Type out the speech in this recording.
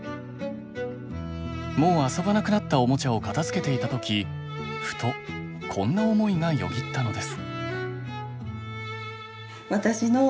もう遊ばなくなったおもちゃを片づけていた時ふとこんな思いがよぎったのです。